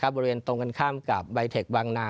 บริเวณตรงกันข้ามกับใบเทควังนา